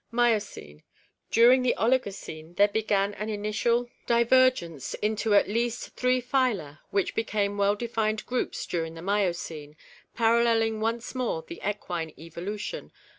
Miocene. — During the Oligocene there began an initial diver 636 ORGANIC EVOLUTION gence into at least three phyla which became well defined groups during the Miocene, paralleling once more the equine evolution.